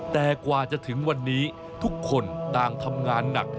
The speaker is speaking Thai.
แต่กว่าจะถึงวันนี้ทุกคนต่างทำงานหนัก